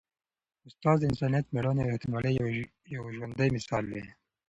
استاد د انسانیت، مېړانې او ریښتینولۍ یو ژوندی مثال دی.